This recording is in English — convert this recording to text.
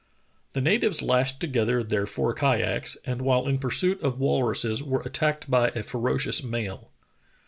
The natives lashed together their four kayaks, and while in pursuit of walruses were attacked by a ferocious male.